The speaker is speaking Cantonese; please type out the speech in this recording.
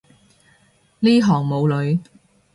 呢行冇女